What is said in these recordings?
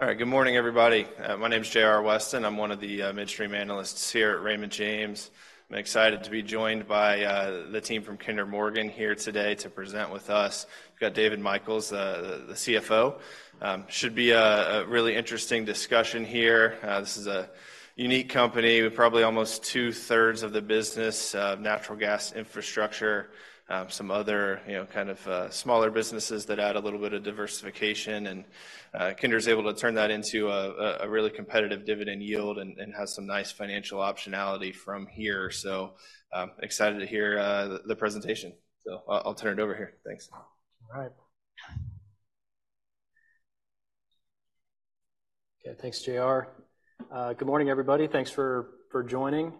All right. Good morning, everybody. My name is J.R. Weston. I'm one of the midstream analysts here at Raymond James. I'm excited to be joined by the team from Kinder Morgan here today to present with us. We've got David Michels, the CFO. Should be a really interesting discussion here. This is a unique company, with probably almost two-thirds of the business natural gas infrastructure, some other, you know, kind of smaller businesses that add a little bit of diversification. Kinder's able to turn that into a really competitive dividend yield and has some nice financial optionality from here. So, I'm excited to hear the presentation. So I'll turn it over here. Thanks. All right. Okay, thanks, J.R. Good morning, everybody. Thanks for, for joining.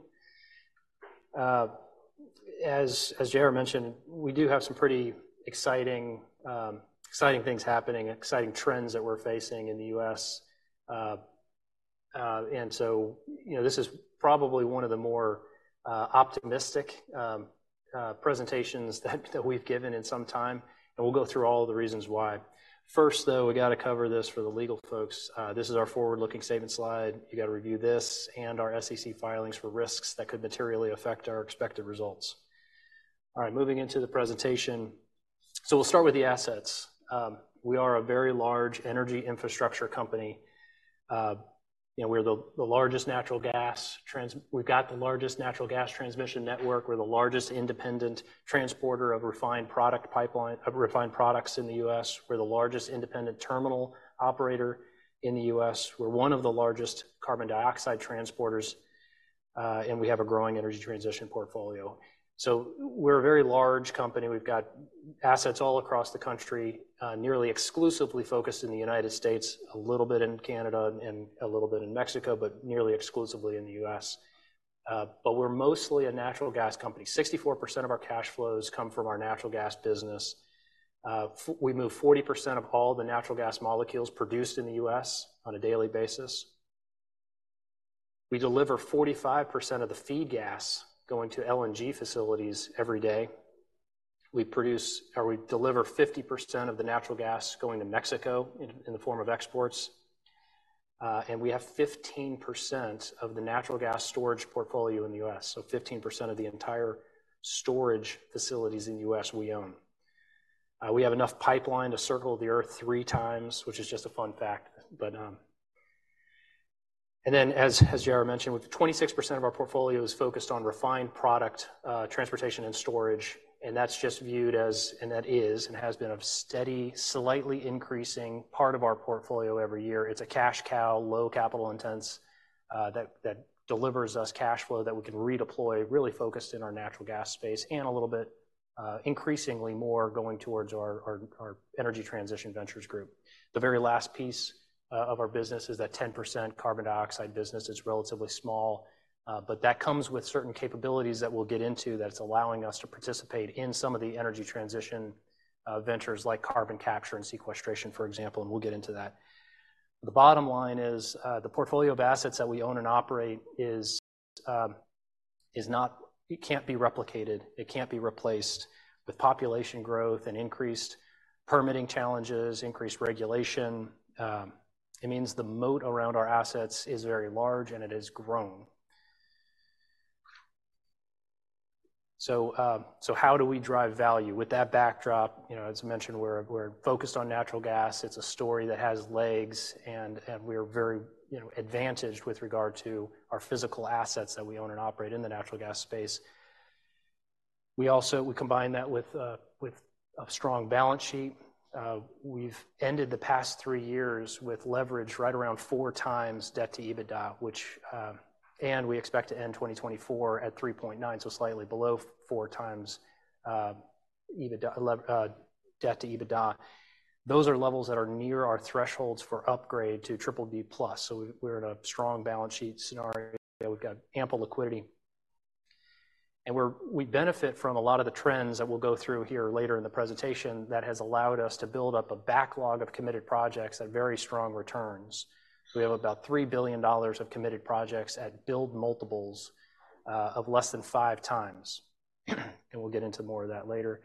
As J.R. mentioned, we do have some pretty exciting, exciting things happening, exciting trends that we're facing in the U.S. And so, you know, this is probably one of the more, optimistic, presentations that we've given in some time, and we'll go through all the reasons why. First, though, we got to cover this for the legal folks. This is our forward-looking statement slide. You got to review this and our SEC filings for risks that could materially affect our expected results. All right, moving into the presentation. So we'll start with the assets. We are a very large energy infrastructure company. You know, we're the largest natural gas transmission network. We're the largest independent transporter of refined products in the U.S. We're the largest independent terminal operator in the U.S. We're one of the largest carbon dioxide transporters, and we have a growing energy transition portfolio. So we're a very large company. We've got assets all across the country, nearly exclusively focused in the United States, a little bit in Canada and a little bit in Mexico, but nearly exclusively in the U.S. But we're mostly a natural gas company. 64% of our cash flows come from our natural gas business. We move 40% of all the natural gas molecules produced in the U.S. on a daily basis. We deliver 45% of the feed gas going to LNG facilities every day. We produce, or we deliver 50% of the natural gas going to Mexico in, in the form of exports. And we have 15% of the natural gas storage portfolio in the U.S., so 15% of the entire storage facilities in the U.S., we own. We have enough pipeline to circle the Earth three times, which is just a fun fact. But, and then, as, as J.R. mentioned, with 26% of our portfolio is focused on refined product, transportation, and storage, and that's just viewed as, and that is, and has been a steady, slightly increasing part of our portfolio every year. It's a cash cow, low capital intense, that, that delivers us cash flow that we can redeploy, really focused in our natural gas space and a little bit, increasingly more going towards our, our, our Energy Transition Ventures group. The very last piece of our business is that 10% carbon dioxide business is relatively small, but that comes with certain capabilities that we'll get into, that it's allowing us to participate in some of the Energy Transition Ventures like carbon capture and sequestration, for example, and we'll get into that. The bottom line is, the portfolio of assets that we own and operate is not—it can't be replicated, it can't be replaced. With population growth and increased permitting challenges, increased regulation, it means the moat around our assets is very large, and it has grown. So, how do we drive value? With that backdrop, you know, as mentioned, we're focused on natural gas. It's a story that has legs, and we're very, you know, advantaged with regard to our physical assets that we own and operate in the natural gas space. We also combine that with a strong balance sheet. We've ended the past three years with leverage right around 4x debt-to-EBITDA, which. And we expect to end 2024 at 3.9, so slightly below four times debt-to-EBITDA. Those are levels that are near our thresholds for upgrade to BBB+. So we're in a strong balance sheet scenario. We've got ample liquidity. We benefit from a lot of the trends that we'll go through here later in the presentation that has allowed us to build up a backlog of committed projects at very strong returns. We have about $3 billion of committed projects at build multiples of less than 5x, and we'll get into more of that later.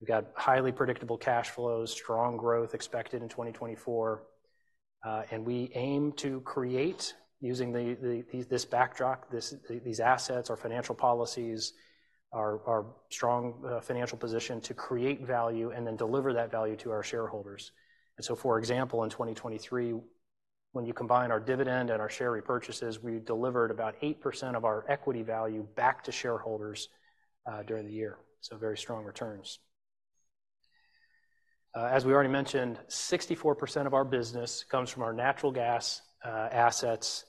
We've got highly predictable cash flows, strong growth expected in 2024, and we aim to create, using the, the, this backdrop, this, these assets, our financial policies, our, our strong, financial position to create value and then deliver that value to our shareholders. And so, for example, in 2023, when you combine our dividend and our share repurchases, we delivered about 8% of our equity value back to shareholders, during the year, so very strong returns. As we already mentioned, 64% of our business comes from our natural gas assets,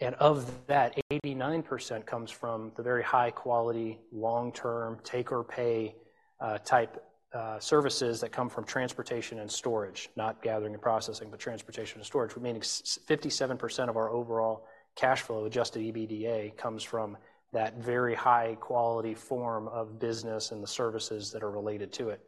and of that, 89% comes from the very high quality, long-term, take-or-pay type services that come from transportation and storage, not gathering and processing, but transportation and storage. Meaning 57% of our overall cash flow, Adjusted EBITDA, comes from that very high quality form of business and the services that are related to it.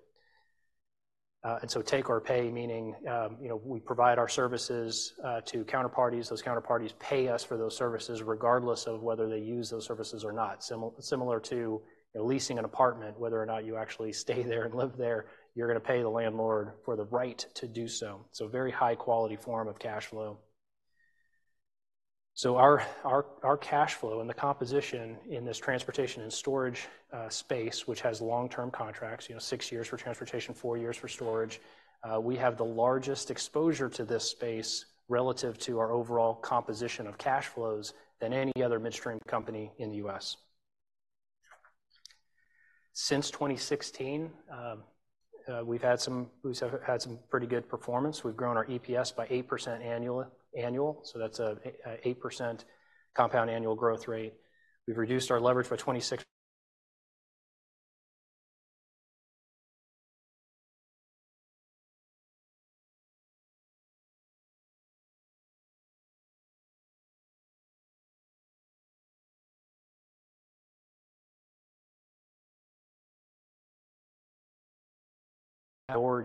And so take or pay, meaning, you know, we provide our services to counterparties. Those counterparties pay us for those services, regardless of whether they use those services or not. Similar to leasing an apartment, whether or not you actually stay there and live there, you're gonna pay the landlord for the right to do so. So a very high quality form of cash flow. So our cash flow and the composition in this transportation and storage space, which has long-term contracts, you know, 6 years for transportation, 4 years for storage, we have the largest exposure to this space relative to our overall composition of cash flows than any other midstream company in the U.S. Since 2016, we've had some pretty good performance. We've grown our EPS by 8% annual, so that's an 8% compound annual growth rate. We've reduced our leverage by 26%. Overall,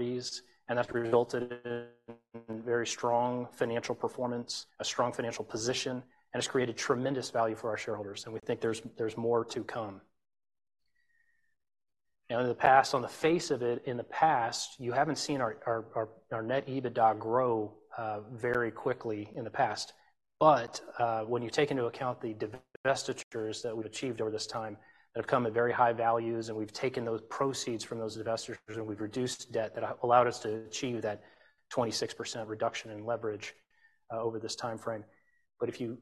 and that's resulted in very strong financial performance, a strong financial position, and it's created tremendous value for our shareholders, and we think there's more to come. Now, in the past, on the face of it, in the past, you haven't seen our net EBITDA grow very quickly in the past. But, when you take into account the divestitures that we've achieved over this time, that have come at very high values, and we've taken those proceeds from those divestitures, and we've reduced debt, that allowed us to achieve that 26% reduction in leverage, over this timeframe. But if you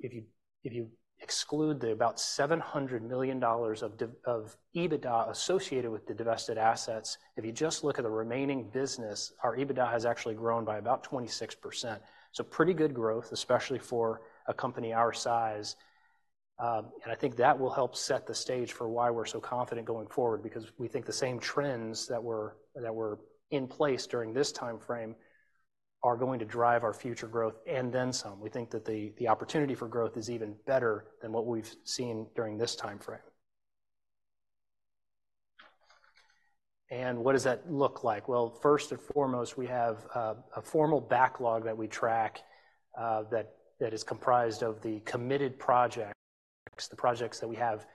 exclude the about $700 million of EBITDA associated with the divested assets, if you just look at the remaining business, our EBITDA has actually grown by about 26%. So pretty good growth, especially for a company our size. And I think that will help set the stage for why we're so confident going forward, because we think the same trends that were in place during this timeframe are going to drive our future growth, and then some. We think that the opportunity for growth is even better than what we've seen during this timeframe. And what does that look like? Well, first and foremost, we have a formal backlog that we track, that is comprised of the committed projects, the projects that we have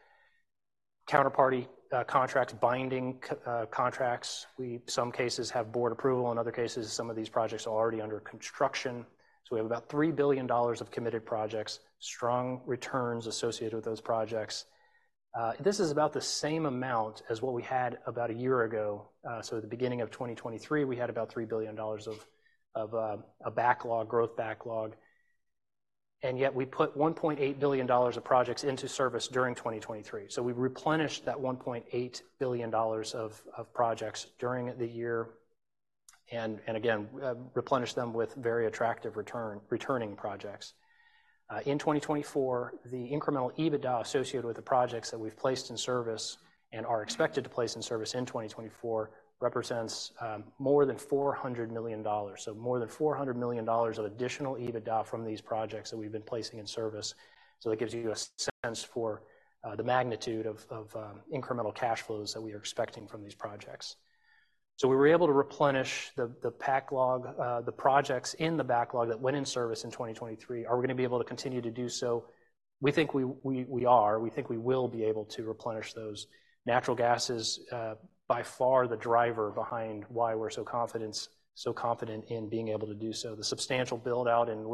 counterparty contracts, binding contracts. In some cases, we have board approval, in other cases, some of these projects are already under construction. So we have about $3 billion of committed projects, strong returns associated with those projects. This is about the same amount as what we had about a year ago. So at the beginning of 2023, we had about $3 billion of a backlog, growth backlog, and yet we put $1.8 billion of projects into service during 2023. So we replenished that $1.8 billion of projects during the year, and again, replenished them with very attractive return, returning projects. In 2024, the incremental EBITDA associated with the projects that we've placed in service and are expected to place in service in 2024, represents more than $400 million. So more than $400 million of additional EBITDA from these projects that we've been placing in service. So that gives you a sense for the magnitude of incremental cash flows that we are expecting from these projects. So we were able to replenish the backlog, the projects in the backlog that went in service in 2023. Are we gonna be able to continue to do so? We think we are. We think we will be able to replenish those. Natural gas is by far the driver behind why we're so confident in being able to do so. The substantial build-out in the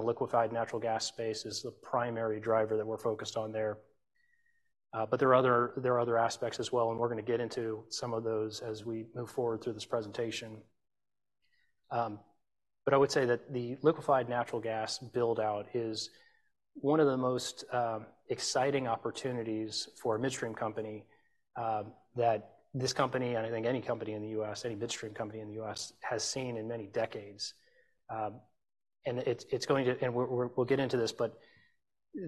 liquefied natural gas space is the primary driver that we're focused on there. But there are other aspects as well, and we're gonna get into some of those as we move forward through this presentation. But I would say that the liquefied natural gas build-out is one of the most, exciting opportunities for a midstream company, that this company, and I think any company in the U.S., any midstream company in the U.S., has seen in many decades. And it's, it's going to... And we're, we're- we'll get into this, but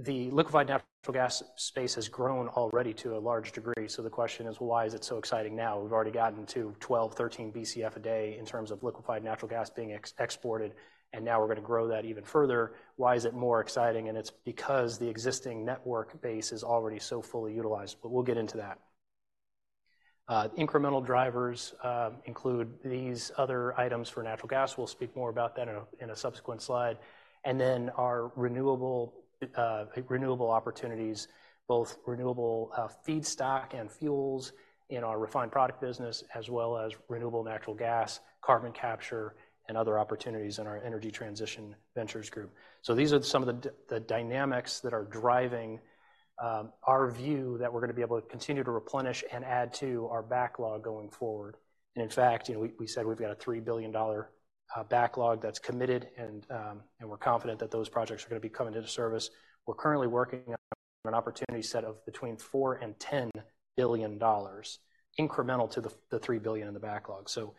the liquefied natural gas space has grown already to a large degree. So the question is: why is it so exciting now? We've already gotten to 12-13 BCF a day in terms of liquefied natural gas being exported, and now we're gonna grow that even further. Why is it more exciting? And it's because the existing network base is already so fully utilized, but we'll get into that. Incremental drivers include these other items for natural gas. We'll speak more about that in a subsequent slide. Then our renewable opportunities, both renewable feedstock and fuels in our refined product business, as well as renewable natural gas, carbon capture, and other opportunities in our Energy Transition Ventures group. So these are some of the dynamics that are driving our view that we're gonna be able to continue to replenish and add to our backlog going forward. And in fact, you know, we said we've got a $3 billion backlog that's committed, and we're confident that those projects are gonna be coming into service. We're currently working on an opportunity set of between $4 billion and $10 billion, incremental to the $3 billion in the backlog. So,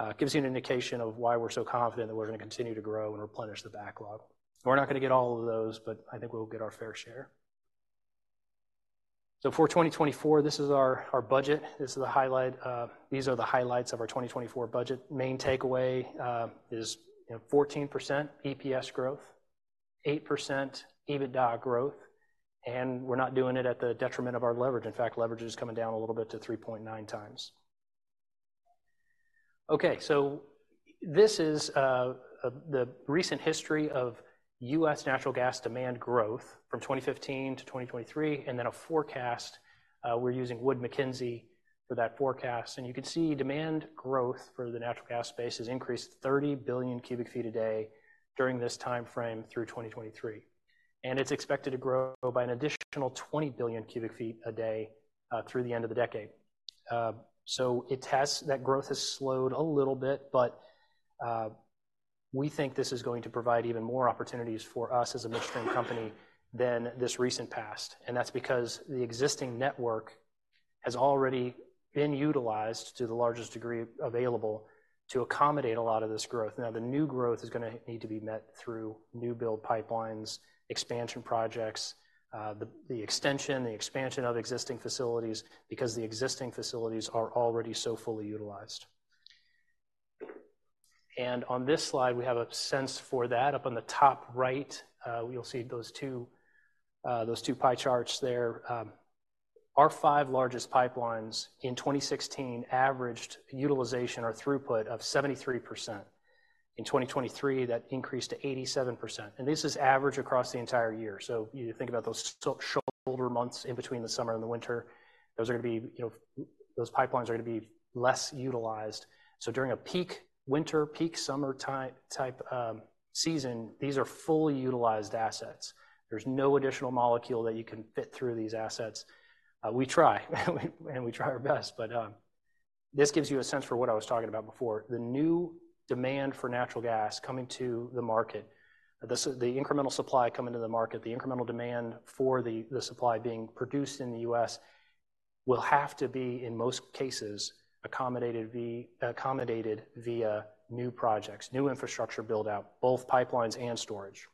it gives you an indication of why we're so confident that we're gonna continue to grow and replenish the backlog. We're not gonna get all of those, but I think we'll get our fair share. So for 2024, this is our, our budget. This is the highlight, these are the highlights of our 2024 budget. Main takeaway, is, you know, 14% EPS growth, 8% EBITDA growth, and we're not doing it at the detriment of our leverage. In fact, leverage is coming down a little bit to 3.9 times. Okay, so this is, the recent history of U.S. natural gas demand growth from 2015 to 2023, and then a forecast. We're using Wood Mackenzie for that forecast. You can see demand growth for the natural gas space has increased 30 billion cubic feet a day during this timeframe through 2023, and it's expected to grow by an additional 20 billion cubic feet a day through the end of the decade. So it has, that growth has slowed a little bit, but we think this is going to provide even more opportunities for us as a midstream company than this recent past. And that's because the existing network has already been utilized to the largest degree available to accommodate a lot of this growth. Now, the new growth is gonna need to be met through new build pipelines, expansion projects, the extension, the expansion of existing facilities, because the existing facilities are already so fully utilized. And on this slide, we have a sense for that. Up on the top right, you'll see those two, those two pie charts there. Our five largest pipelines in 2016 averaged utilization or throughput of 73%. In 2023, that increased to 87%, and this is average across the entire year. So you think about those shoulder months in between the summer and the winter, those are gonna be, you know— Those pipelines are gonna be less utilized. So during a peak winter, peak summer type, season, these are fully utilized assets. There's no additional molecule that you can fit through these assets. We try, and we try our best, but, this gives you a sense for what I was talking about before. The new demand for natural gas coming to the market, the incremental supply coming to the market, the incremental demand for the, the supply being produced in the US, will have to be, in most cases, accommodated via new projects, new infrastructure build-out, both pipelines and storage.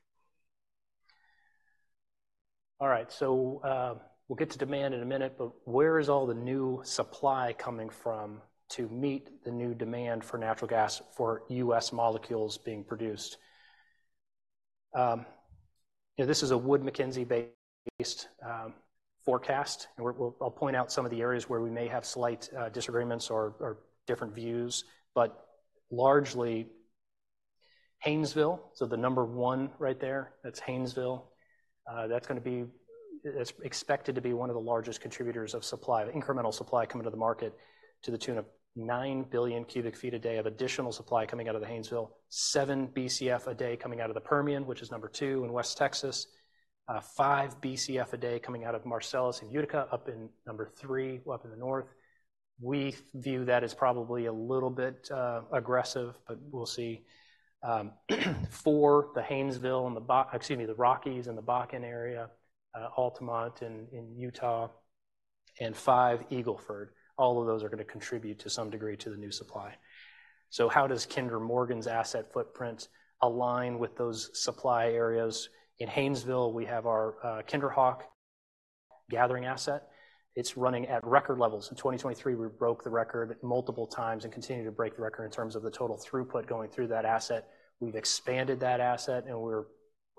All right, so, we'll get to demand in a minute, but where is all the new supply coming from to meet the new demand for natural gas for US molecules being produced? You know, this is a Wood Mackenzie-based forecast, and we're, well, I'll point out some of the areas where we may have slight disagreements or different views. But largely, Haynesville, so the number one right there, that's Haynesville. That's gonna be... It's expected to be one of the largest contributors of supply, of incremental supply coming to the market, to the tune of 9 billion cubic feet a day of additional supply coming out of the Haynesville. 7 Bcf a day coming out of the Permian, which is number 2 in West Texas. 5 Bcf a day coming out of Marcellus and Utica, up in number 3, up in the north. We view that as probably a little bit aggressive, but we'll see. 4, the Haynesville and the Bak, excuse me, the Rockies and the Bakken area, Altamont in Utah, and 5, Eagle Ford. All of those are gonna contribute to some degree to the new supply. So how does Kinder Morgan's asset footprint align with those supply areas? In Haynesville, we have our KinderHawk gathering asset. It's running at record levels. In 2023, we broke the record multiple times and continue to break the record in terms of the total throughput going through that asset. We've expanded that asset, and we're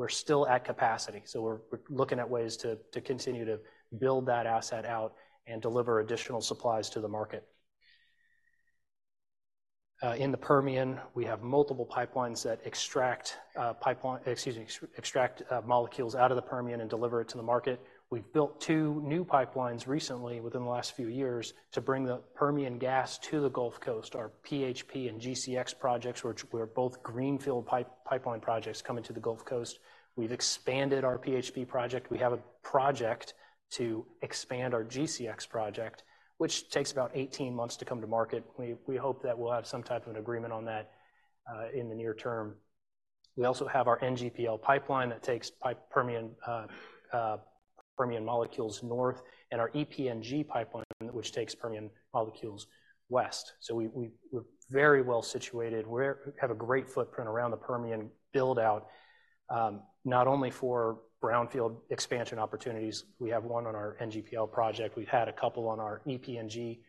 still at capacity. So we're looking at ways to continue to build that asset out and deliver additional supplies to the market. In the Permian, we have multiple pipelines that extract molecules out of the Permian and deliver it to the market. We've built 2 new pipelines recently, within the last few years, to bring the Permian gas to the Gulf Coast. Our PHP and GCX projects, which were both greenfield pipeline projects coming to the Gulf Coast. We've expanded our PHP project. We have a project to expand our GCX project, which takes about 18 months to come to market. We hope that we'll have some type of an agreement on that in the near term. We also have our NGPL pipeline that takes Permian molecules north, and our EPNG pipeline, which takes Permian molecules west. So we're very well situated. We have a great footprint around the Permian build-out, not only for brownfield expansion opportunities, we have one on our NGPL project. We've had a couple on our EPNG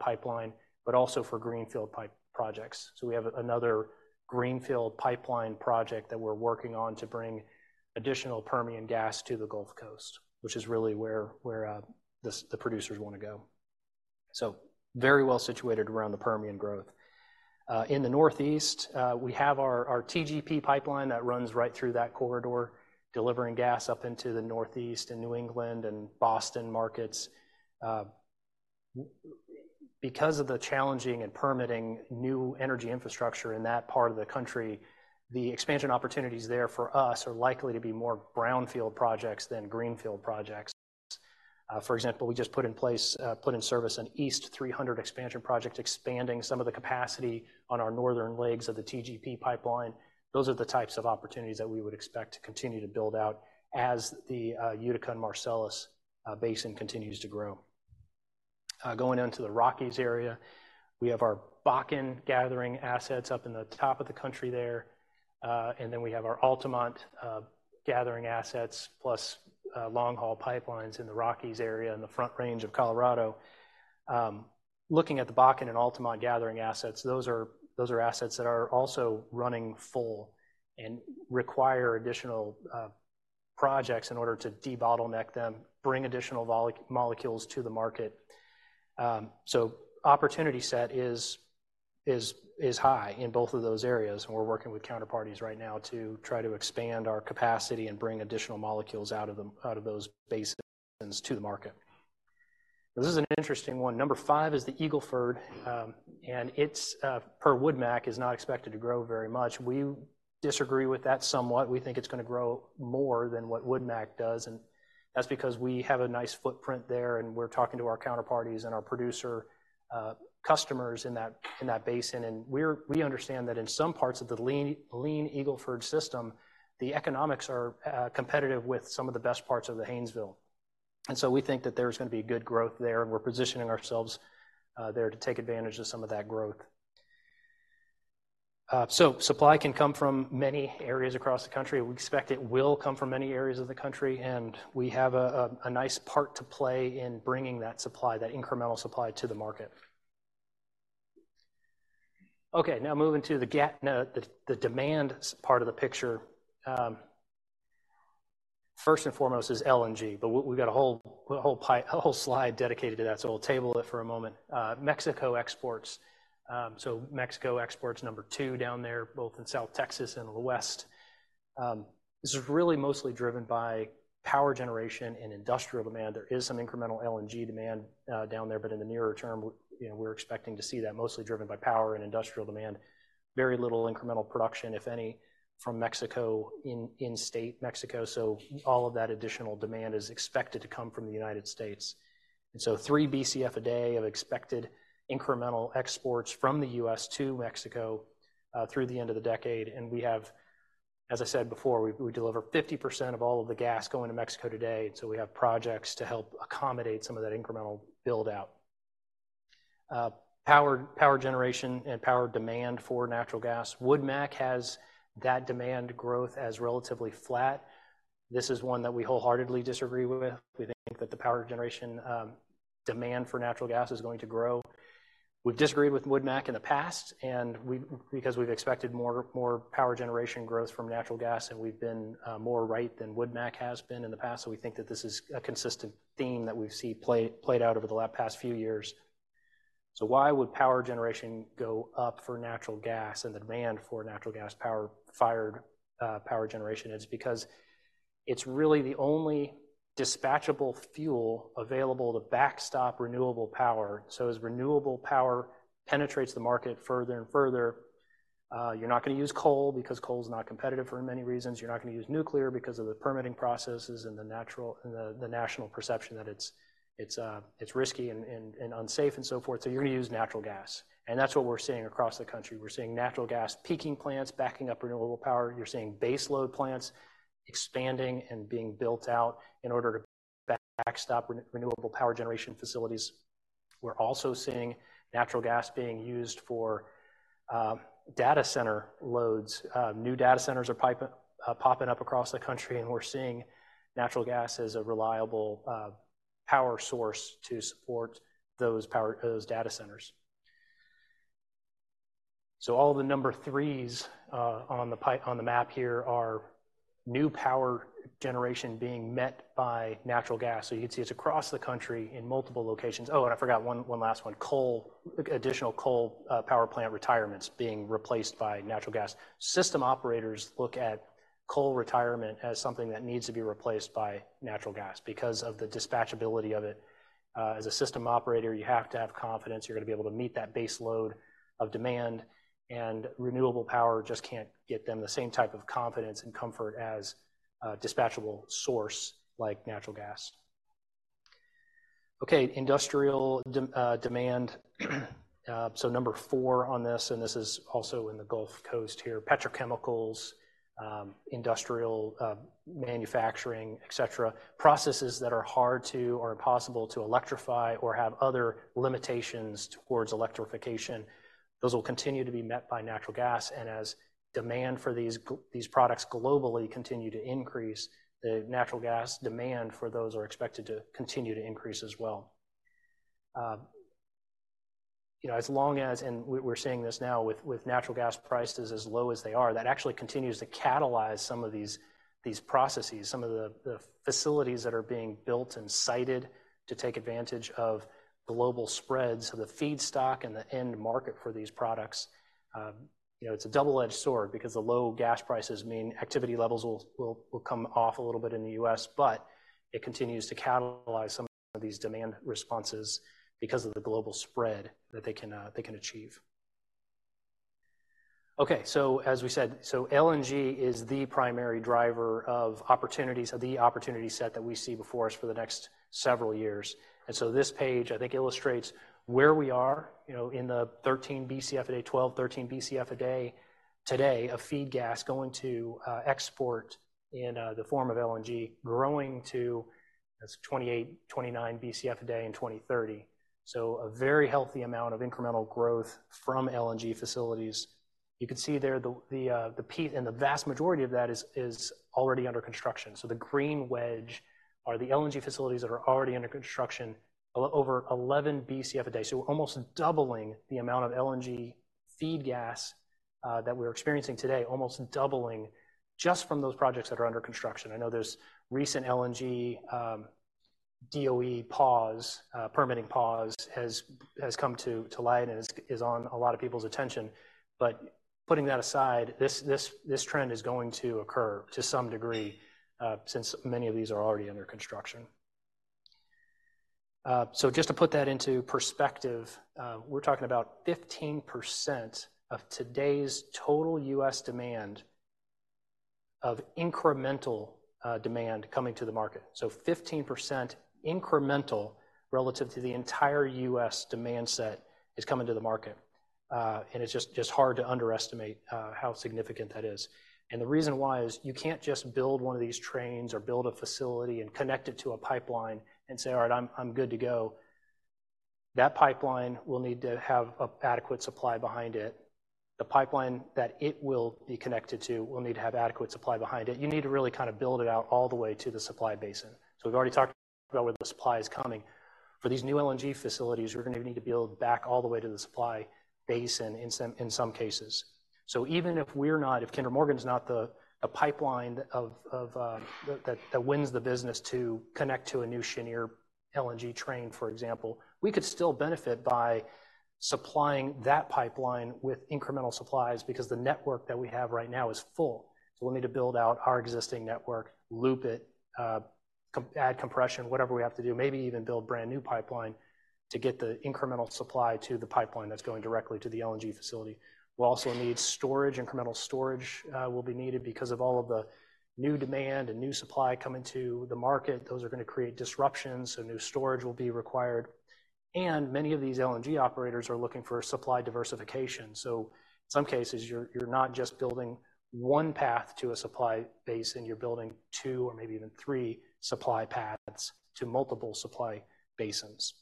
pipeline, but also for greenfield pipeline projects. So we have another greenfield pipeline project that we're working on to bring additional Permian gas to the Gulf Coast, which is really where the producers wanna go. So very well situated around the Permian growth. In the Northeast, we have our TGP pipeline that runs right through that corridor, delivering gas up into the Northeast and New England and Boston markets. Because of the challenging and permitting new energy infrastructure in that part of the country, the expansion opportunities there for us are likely to be more brownfield projects than greenfield projects. For example, we just put in service an East 300 expansion project, expanding some of the capacity on our northern legs of the TGP pipeline. Those are the types of opportunities that we would expect to continue to build out as the Utica and Marcellus basin continues to grow. Going into the Rockies area, we have our Bakken gathering assets up in the top of the country there, and then we have our Altamont gathering assets, plus long-haul pipelines in the Rockies area and the Front Range of Colorado. Looking at the Bakken and Altamont gathering assets, those are assets that are also running full and require additional projects in order to debottleneck them, bring additional molecules to the market. So opportunity set is high in both of those areas, and we're working with counterparties right now to try to expand our capacity and bring additional molecules out of them, out of those basins to the market. This is an interesting one. Number five is the Eagle Ford, and it's, per WoodMac, is not expected to grow very much. We disagree with that somewhat. We think it's gonna grow more than what WoodMac does, and that's because we have a nice footprint there, and we're talking to our counterparties and our producer customers in that basin. And we understand that in some parts of the lean Eagle Ford system, the economics are competitive with some of the best parts of the Haynesville. And so we think that there's gonna be good growth there, and we're positioning ourselves there to take advantage of some of that growth. So supply can come from many areas across the country. We expect it will come from many areas of the country, and we have a nice part to play in bringing that supply, that incremental supply to the market. Okay, now moving to the demand part of the picture. First and foremost is LNG, but we got a whole slide dedicated to that, so we'll table it for a moment. Mexico exports, so Mexico exports, number two down there, both in South Texas and the West. This is really mostly driven by power generation and industrial demand. There is some incremental LNG demand down there, but in the nearer term, you know, we're expecting to see that mostly driven by power and industrial demand. Very little incremental production, if any, from Mexico, in state Mexico, so all of that additional demand is expected to come from the United States. And so 3 BCF a day of expected incremental exports from the U.S. to Mexico through the end of the decade, and we have, as I said before, we deliver 50% of all of the gas going to Mexico today, so we have projects to help accommodate some of that incremental build-out. Power generation and power demand for natural gas. WoodMac has that demand growth as relatively flat. This is one that we wholeheartedly disagree with. We think that the power generation demand for natural gas is going to grow. We've disagreed with WoodMac in the past, and because we've expected more power generation growth from natural gas, and we've been more right than WoodMac has been in the past. So we think that this is a consistent theme that we've seen played out over the past few years. So why would power generation go up for natural gas and the demand for natural gas power-fired power generation? It's because it's really the only dispatchable fuel available to backstop renewable power. So as renewable power penetrates the market further and further, you're not gonna use coal because coal is not competitive for many reasons. You're not gonna use nuclear because of the permitting processes and the natural and the national perception that it's risky and unsafe and so forth. So you're gonna use natural gas, and that's what we're seeing across the country. We're seeing natural gas peaking plants backing up renewable power. You're seeing baseload plants expanding and being built out in order to backstop renewable power generation facilities. We're also seeing natural gas being used for data center loads. New data centers are popping up across the country, and we're seeing natural gas as a reliable power source to support those data centers. So all the number threes on the map here are new power generation being met by natural gas. So you can see it's across the country in multiple locations. Oh, and I forgot one, one last one: coal. Additional coal power plant retirements being replaced by natural gas. System operators look at coal retirement as something that needs to be replaced by natural gas because of the dispatchability of it. As a system operator, you have to have confidence you're gonna be able to meet that base load of demand, and renewable power just can't get them the same type of confidence and comfort as a dispatchable source like natural gas. Okay, industrial demand. So number four on this, and this is also in the Gulf Coast here, petrochemicals, industrial, manufacturing, et cetera, processes that are hard to or impossible to electrify or have other limitations towards electrification. Those will continue to be met by natural gas, and as demand for these products globally continue to increase, the natural gas demand for those are expected to continue to increase as well. You know, as long as, and we're, we're seeing this now with, with natural gas prices as low as they are, that actually continues to catalyze some of these, these processes, some of the, the facilities that are being built and sited to take advantage of global spreads of the feedstock and the end market for these products. You know, it's a double-edged sword because the low gas prices mean activity levels will come off a little bit in the U.S., but it continues to catalyze some of these demand responses because of the global spread that they can achieve. Okay, so as we said, so LNG is the primary driver of opportunities, of the opportunity set that we see before us for the next several years. And so this page, I think, illustrates where we are, you know, in the 13 BCF a day, 12-13 BCF a day today of feed gas going to export in the form of LNG, growing to 28-29 BCF a day in 2030. So a very healthy amount of incremental growth from LNG facilities. You can see there the peak, and the vast majority of that is already under construction. So the green wedge are the LNG facilities that are already under construction, over 11 BCF a day. So we're almost doubling the amount of LNG feed gas that we're experiencing today, almost doubling just from those projects that are under construction. I know there's recent LNG DOE pause, permitting pause has come to light and is on a lot of people's attention. But putting that aside, this trend is going to occur to some degree, since many of these are already under construction. So just to put that into perspective, we're talking about 15% of today's total U.S. demand of incremental demand coming to the market. So 15% incremental, relative to the entire U.S. demand set, is coming to the market. And it's just hard to underestimate how significant that is. And the reason why is you can't just build one of these trains or build a facility and connect it to a pipeline and say, "All right, I'm good to go." That pipeline will need to have an adequate supply behind it. The pipeline that it will be connected to will need to have adequate supply behind it. You need to really kind of build it out all the way to the supply basin. So we've already talked about where the supply is coming. For these new LNG facilities, we're gonna need to be able to back all the way to the supply basin in some cases. So even if we're not—if Kinder Morgan is not the pipeline that wins the business to connect to a new Cheniere LNG train, for example, we could still benefit by supplying that pipeline with incremental supplies because the network that we have right now is full. So we'll need to build out our existing network, loop it, add compression, whatever we have to do, maybe even build brand-new pipeline, to get the incremental supply to the pipeline that's going directly to the LNG facility. We'll also need storage. Incremental storage will be needed because of all of the new demand and new supply coming to the market. Those are gonna create disruptions, so new storage will be required. And many of these LNG operators are looking for supply diversification. So in some cases, you're, you're not just building one path to a supply basin, you're building two or maybe even three supply paths to multiple supply basins.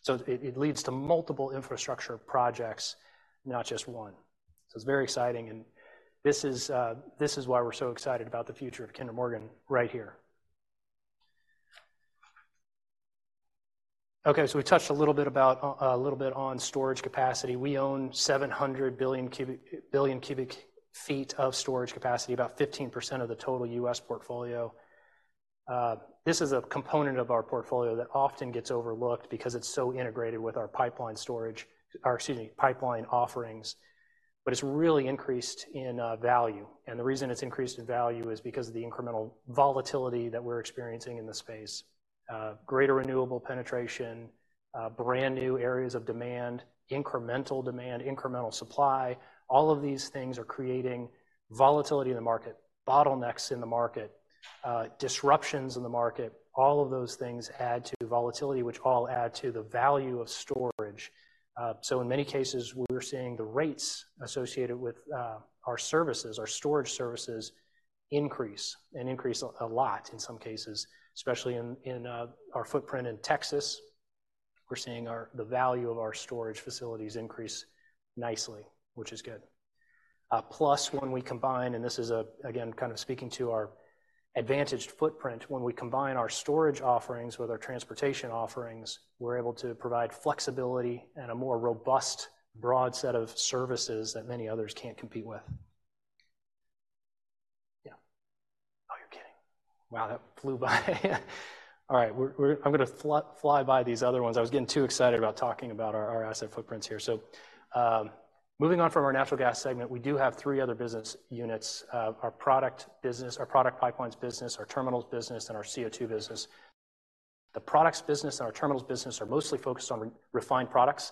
So it, it leads to multiple infrastructure projects, not just one. So it's very exciting, and this is, this is why we're so excited about the future of Kinder Morgan right here. Okay, so we touched a little bit about, a little bit on storage capacity. We own 700 billion cubic, billion cubic feet of storage capacity, about 15% of the total U.S. portfolio. This is a component of our portfolio that often gets overlooked because it's so integrated with our pipeline storage, or excuse me, pipeline offerings, but it's really increased in, value. And the reason it's increased in value is because of the incremental volatility that we're experiencing in the space. Greater renewable penetration, brand-new areas of demand, incremental demand, incremental supply, all of these things are creating volatility in the market, bottlenecks in the market, disruptions in the market. All of those things add to volatility, which all add to the value of storage. So in many cases, we're seeing the rates associated with our services, our storage services, increase, and increase a lot in some cases, especially in our footprint in Texas. We're seeing the value of our storage facilities increase nicely, which is good. Plus, when we combine, and this is, again, kind of speaking to our advantaged footprint, when we combine our storage offerings with our transportation offerings, we're able to provide flexibility and a more robust, broad set of services that many others can't compete with. Yeah. Oh, you're kidding. Wow, that flew by. All right, we're-- I'm gonna fly by these other ones. I was getting too excited about talking about our asset footprints here. So, moving on from our natural gas segment, we do have three other business units: our product business, our product pipelines business, our terminals business, and our CO2 business. The products business and our terminals business are mostly focused on refined products,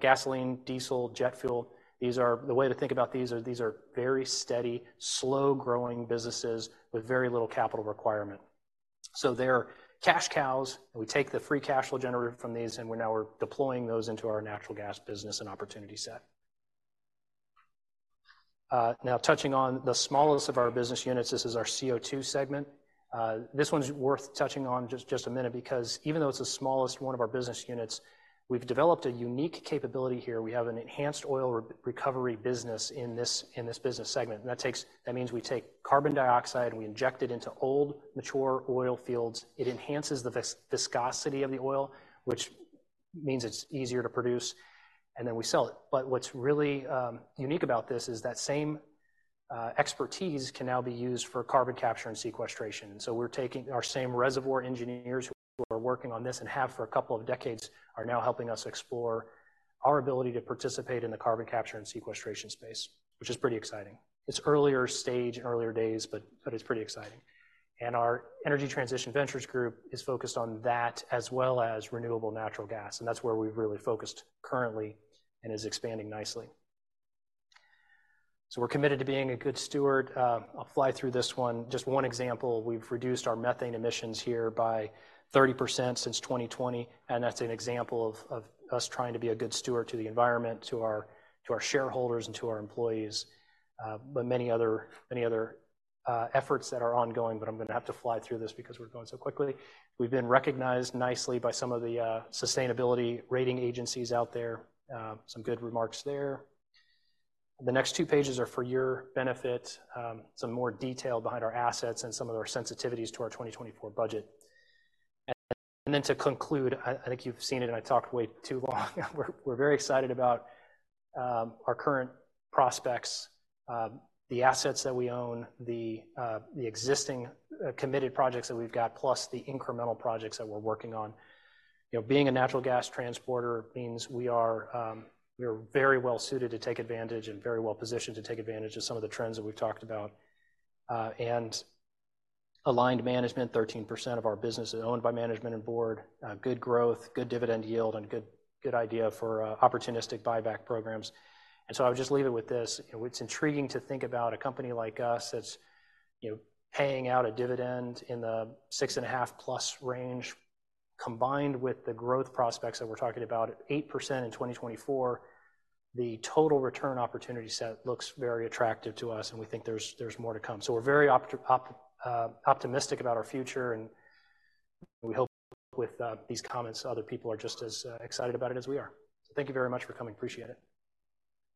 gasoline, diesel, jet fuel. These are... The way to think about these are, these are very steady, slow-growing businesses with very little capital requirement. So they're cash cows, and we take the free cash flow generated from these, and we're now deploying those into our natural gas business and opportunity set. Now, touching on the smallest of our business units, this is our CO2 segment. This one's worth touching on just, just a minute because even though it's the smallest one of our business units, we've developed a unique capability here. We have an enhanced oil recovery business in this, in this business segment. That means we take carbon dioxide, and we inject it into old, mature oil fields. It enhances the viscosity of the oil, which means it's easier to produce, and then we sell it. But what's really unique about this is that same expertise can now be used for carbon capture and sequestration. So we're taking our same reservoir engineers, who are working on this and have for a couple of decades, are now helping us explore our ability to participate in the carbon capture and sequestration space, which is pretty exciting. It's earlier stage, earlier days, but, but it's pretty exciting. Our Energy Transition Ventures group is focused on that, as well as renewable natural gas, and that's where we've really focused currently and is expanding nicely. We're committed to being a good steward. I'll fly through this one. Just one example, we've reduced our methane emissions here by 30% since 2020, and that's an example of us trying to be a good steward to the environment, to our shareholders, and to our employees. But many other efforts that are ongoing, but I'm gonna have to fly through this because we're going so quickly. We've been recognized nicely by some of the sustainability rating agencies out there. Some good remarks there. The next two pages are for your benefit, some more detail behind our assets and some of our sensitivities to our 2024 budget. And then to conclude, I think you've seen it, and I talked way too long. We're very excited about our current prospects, the assets that we own, the existing committed projects that we've got, plus the incremental projects that we're working on. You know, being a natural gas transporter means we are very well suited to take advantage and very well positioned to take advantage of some of the trends that we've talked about. And aligned management, 13% of our business is owned by management and board, good growth, good dividend yield, and good idea for opportunistic buyback programs. I would just leave it with this: It's intriguing to think about a company like us that's, you know, paying out a dividend in the 6.5+ range, combined with the growth prospects that we're talking about, 8% in 2024. The total return opportunity set looks very attractive to us, and we think there's more to come. So we're very optimistic about our future, and we hope with these comments, other people are just as excited about it as we are. So thank you very much for coming. Appreciate it.